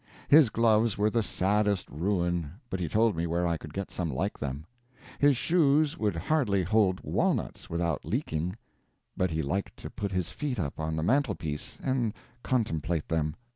His gloves were the saddest ruin, but he told me where I could get some like them. His shoes would hardly hold walnuts without leaking, but he liked to put his feet up on the mantelpiece and contemplate them.